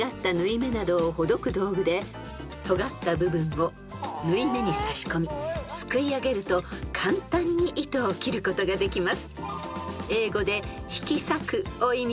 ［とがった部分を縫い目にさしこみすくいあげると簡単に糸を切ることができます］